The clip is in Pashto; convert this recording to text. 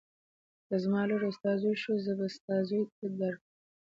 که زما لور او ستا زوی شو زه به یې ستا زوی ته درکړم.